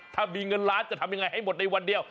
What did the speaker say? ถ้ามีเงินล้านจะทำยังไงให้หมดในวันเดียว